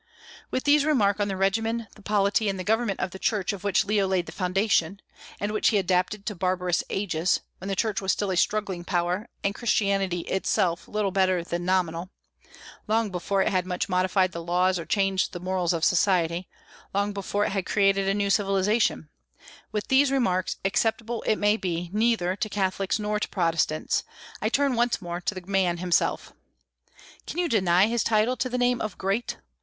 With these remarks on the regimen, the polity, and the government of the Church of which Leo laid the foundation, and which he adapted to barbarous ages, when the Church was still a struggling power and Christianity itself little better than nominal, long before it had much modified the laws or changed the morals of society; long before it had created a new civilization, with these remarks, acceptable, it may be, neither to Catholics nor to Protestants, I turn once more to the man himself. Can you deny his title to the name of Great?